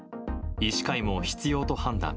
医師会も必要と判断。